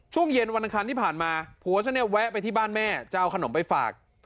ช่วงเย็นวันอังคารที่ผ่านมาผัวฉันเนี่ยแวะไปที่บ้านแม่จะเอาขนมไปฝาก